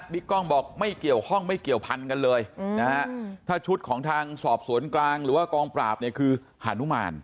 กล้องบอกไม่เกี่ยวข้องไม่เกี่ยวพันกันเลยนะฮะถ้าชุดของทางสอบสวนกลางหรือว่ากองปราบเนี่ยคือฮานุมาน